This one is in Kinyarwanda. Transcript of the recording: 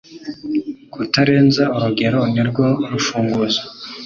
kutarenza urugero ni rwo rufunguzo